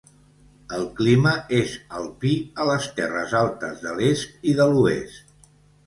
El clima és alpí a les terres altes de l'est i de l'oest.